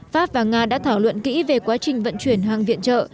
pháp và nga đã thảo luận kỹ về quá trình vận chuyển hàng viện trợ